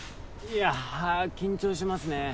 いや緊張しますね。